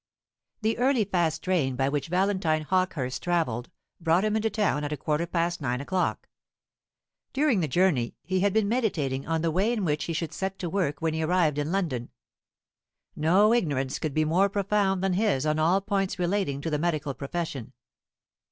The early fast train by which Valentine Hawkehurst travelled brought him into town at a quarter past nine o'clock. During the journey he had been meditating on the way in which he should set to work when he arrived in London. No ignorance could be more profound than his on all points relating to the medical profession.